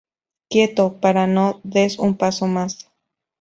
Quieto, para, no des un paso más